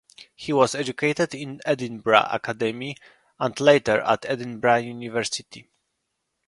He was educated at Edinburgh Academy and later at Edinburgh University.